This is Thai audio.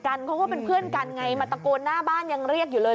เขาก็เป็นเพื่อนกันไงมาตะโกนหน้าบ้านยังเรียกอยู่เลย